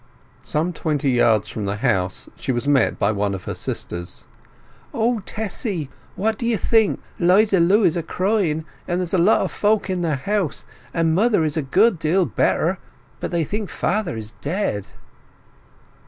Some twenty yards from the house she was met by one of her sisters. "O, Tessy—what do you think! 'Liza Lu is a crying, and there's a lot of folk in the house, and mother is a good deal better, but they think father is dead!"